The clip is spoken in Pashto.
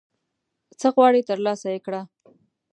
څه غواړي ترلاسه یې کړه